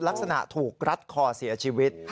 ลักษณะถูกรัดคอเสียชีวิต